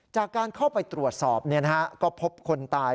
จากการเข้าไปตรวจสอบก็พบคนตาย